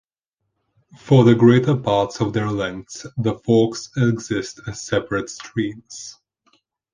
For the greater parts of their lengths, the forks exist as separate streams.